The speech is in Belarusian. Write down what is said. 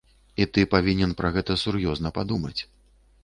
І ты павінен пра гэта сур'ёзна падумаць.